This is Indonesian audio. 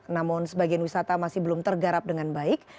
namun sebagian wisata masih belum tergarap dengan baik